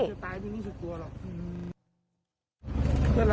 ช้างตายไปอีกนิดหนึ่งกว่าหรอก